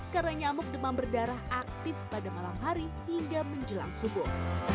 karena nyamuk demam berdarah aktif pada malam hari hingga menjelang subuh